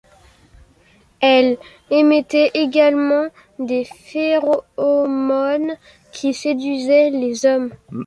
Elle émettait également des phéromones qui séduisaient les hommes.